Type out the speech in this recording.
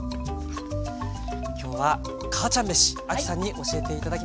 今日は「母ちゃんめし」亜希さんに教えて頂きました。